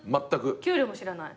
給料も知らない？